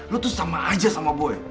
lu tuh sama aja sama boy